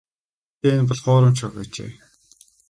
Гэхдээ энэ бол хуурамч баг байжээ.